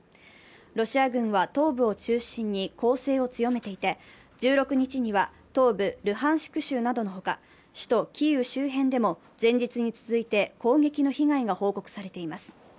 ロシア軍は東部を中心に攻勢を強めていて１６日には東部ルハンシク州などのほか、首都キーウ周辺でも、前日に続いて攻撃の被害が報告されています。